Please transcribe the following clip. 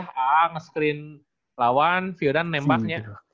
ya nge screen lawan vodan nembaknya